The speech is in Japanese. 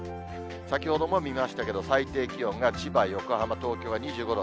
先ほども見ましたけど、最低気温が千葉、横浜、東京が２５度。